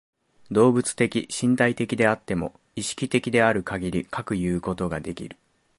動物的身体的であっても、意識的であるかぎりかくいうことができる。